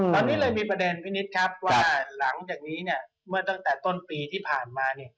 ตอนนี้เลยมีประเดินวินิตครับวันตั้งแต่ต้นปีที่ผ่านมา